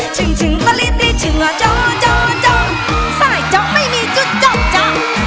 โจ๊ะโจ๊ะโจ๊ะโจ๊ะโจ๊ะโจ๊ะ